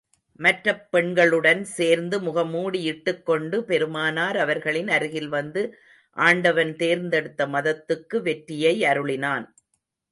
மற்றப் பெண்களுடன் சேர்ந்து முகமூடியிட்டுக் கொண்டு, பெருமானார் அவர்களின் அருகில் வந்து, ஆண்டவன் தேர்ந்தெடுத்த மதத்துக்கு வெற்றியை அருளினான்.